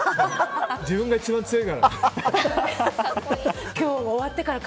自分が一番強いから。